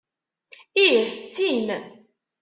Ih, sin.